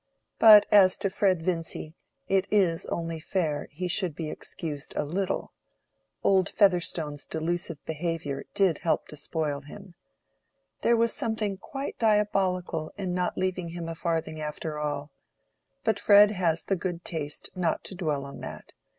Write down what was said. But as to Fred Vincy, it is only fair he should be excused a little: old Featherstone's delusive behavior did help to spoil him. There was something quite diabolical in not leaving him a farthing after all. But Fred has the good taste not to dwell on that.